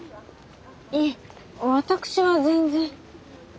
いえ私は全然。